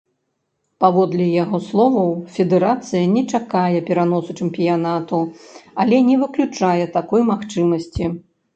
Паводле яго словаў, федэрацыя не чакае пераносу чэмпіянату, але не выключае такой магчымасці.